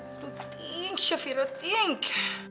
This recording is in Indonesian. aduh tink shafira tink